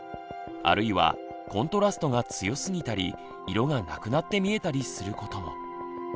あるいはコントラストが強すぎたり色がなくなって見えたりすることも。